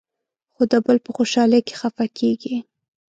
خو د بل په خوشالۍ کې خفه کېږي.